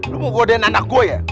lo mau boden anak gue ya